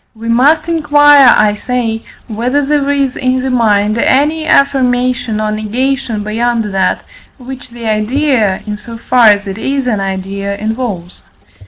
We must inquire, I say, whether there is in the mind any affirmation or negation beyond that, which the idea, in so far as it is an idea, involves.